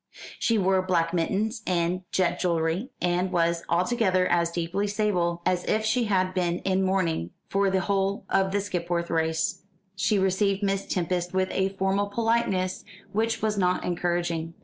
She wore black mittens, and jet jewellery, and was altogether as deeply sable as if she had been in mourning for the whole of the Skipwith race. She received Miss Tempest with a formal politeness which was not encouraging.